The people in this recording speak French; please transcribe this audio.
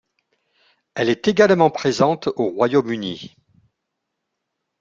Elle est également présente au Royaume-Uni.